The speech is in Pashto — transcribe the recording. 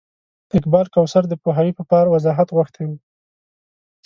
اقبال کوثر د پوهاوي په پار وضاحت غوښتی و.